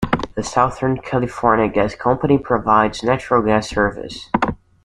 The Southern California Gas Company provides natural gas service.